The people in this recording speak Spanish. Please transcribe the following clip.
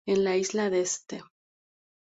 En la isla de St.